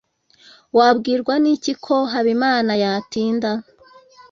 Wabwirwa n'iki ko Habimana yatinda?